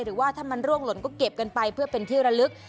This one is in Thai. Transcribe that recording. หรือว่าถ้ามันร่วงหล่นก็เก็บกันไปเพื่อเป็นที่ระลึก